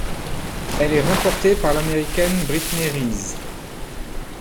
Elle est remportée par l'Américaine Brittney Reese.